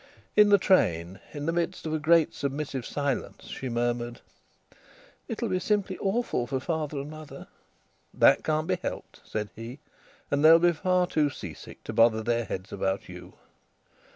In the train, in the midst of a great submissive silence, she murmured: "It'll be simply awful for father and mother." "That can't be helped," said he. "And they'll be far too sea sick to bother their heads about you."